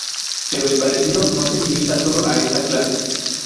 Pero el parecido no se limita solo a esta clase.